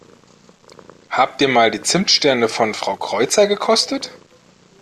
Habt ihr mal die Zimtsterne von Frau Kreuzer gekostet?